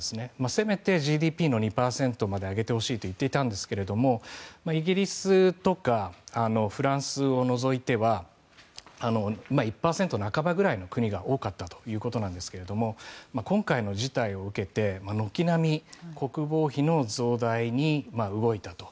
せめてＧＤＰの２％まで上げてほしいと言っていたんですがイギリスとかフランスを除いては１％半ばぐらいの国が多かったということですが今回の事態を受けて軒並み国防費の増大に動いたと。